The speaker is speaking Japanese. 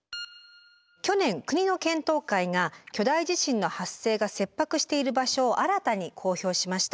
去年国の検討会が巨大地震の発生が切迫している場所を新たに公表しました。